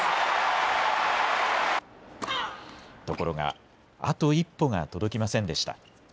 ところが、あと一歩が届きませんでした。